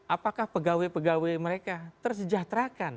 apakah pegawai pegawai mereka tersejahterakan